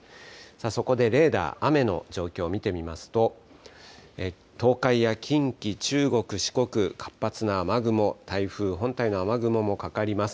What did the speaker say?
そこでレーダー、雨の状況見てみますと、東海や近畿、中国、四国、活発な雨雲、台風本体の雨雲もかかります。